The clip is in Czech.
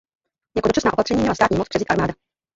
Jako dočasné opatření měla státní moc převzít armáda.